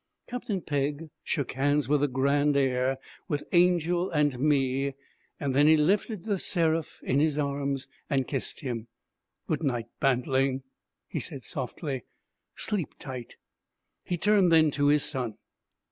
Captain Pegg shook hands with a grand air with Angel and me, then he lifted The Seraph in his arms and kissed him. 'Good night, bantling!' he said, softly. 'Sleep tight!' He turned then to his son.